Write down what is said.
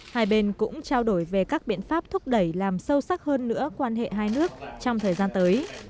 hai bên cũng trao đổi về các biện pháp thúc đẩy làm sâu sắc hơn nữa quan hệ hai nước trong thời gian tới